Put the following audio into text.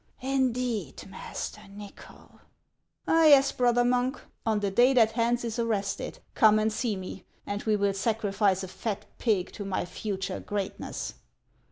" Indeed, Master Nychol ?"" Yes, brother monk, on the day that Hans is arrested, come and see me, and we will sacrifice a fat pig to my future greatness."